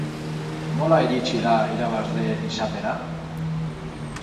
Nola iritsi da irabazle izatera?